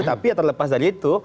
tapi ya terlepas dari itu